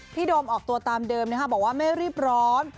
โดมออกตัวตามเดิมนะคะบอกว่าไม่รีบร้อน